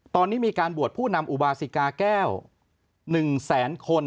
ตอนนี้มีการบวชผู้นำอุบาสิกาแก้ว๑แสนคน